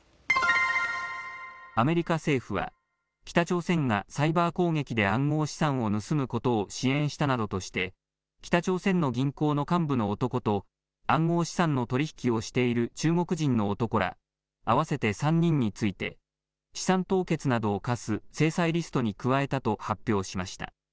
アメリカ政府は北朝鮮がサイバー攻撃で暗号資産を盗むことを支援したなどとして北朝鮮の銀行の幹部の男と暗号資産の取り引きをしている中国人の男ら合わせて３人について資産凍結などを科す制裁リストに加えたと発表しました。